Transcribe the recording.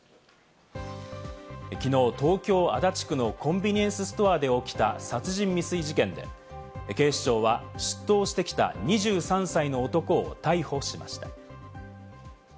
きのう東京・足立区のコンビニエンスストアで起きた殺人未遂事件で、警視庁は出頭してきた２３歳の男を逮捕しました。